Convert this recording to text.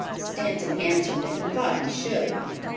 Stanton answered that he thought he should.